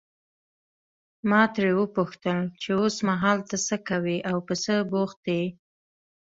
ما ترې وپوښتل چې اوسمهال ته څه کوې او په څه بوخت یې.